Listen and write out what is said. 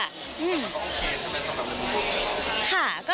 มันก็โอเคใช่ไหมสำหรับทุกคน